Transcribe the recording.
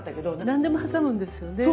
何でも挟むんですよね。